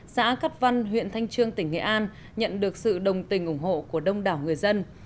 xã cát văn huyện thanh trương tỉnh nghệ an nhận được sự đồng tình ủng hộ của đông đảo người dân